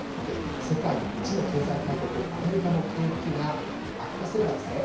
世界一の経済大国アメリカの景気が悪化すればですね